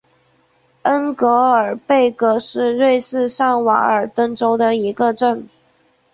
恩格尔贝格是瑞士上瓦尔登州的一个镇。